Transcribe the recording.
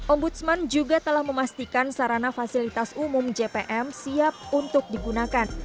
ombudsman juga telah memastikan sarana fasilitas umum jpm siap untuk digunakan